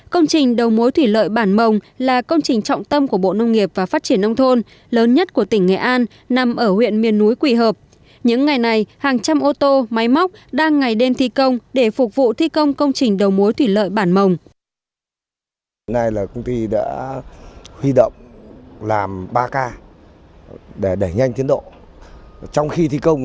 công trình đại thủy lợi bản mồng là công trình trọng tâm của bộ nông nghiệp và phát triển nông thôn lớn nhất của tỉnh nghệ an nằm ở huyện miền núi quỷ hợp những ngày này hàng trăm ô tô máy móc đang ngày đêm thi công để phục vụ thi công công trình đầu mối thủy lợi bản mồng